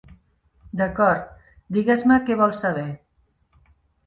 D'acord, digues-me què vols saber.